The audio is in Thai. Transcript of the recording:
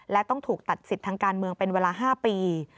และต้องถูกตัดสิทธิ์ทางการเมืองเป็นเวลา๕ปี